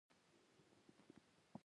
زما خبره یې په دې وخت کې راغوڅه کړه.